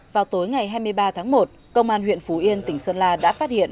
vào tối ngày hai mươi ba tháng một công an huyện phú yên tỉnh sơn la đã phát hiện